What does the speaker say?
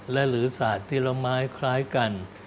และหรือศาสตร์ทีระไม้คล้ายกัน